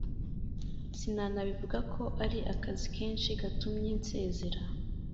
sinanavuga ko ari akazi kenshi gatumye nsezera